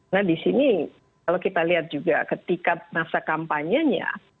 nah disini kalau kita lihat juga ketika masa kampanyenya